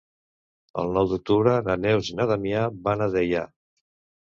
El nou d'octubre na Neus i na Damià van a Deià.